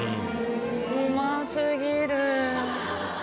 うま過ぎる。